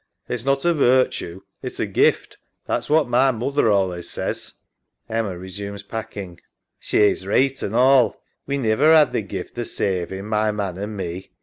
It's not a virtue, it's a gift. That's what my moother allays says. [Resumes packing. SARAH. She's reeght an' all. We never 'ad the gift o' savin', my man and me.